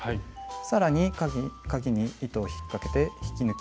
さらにかぎに糸を引っかけて引き抜きます。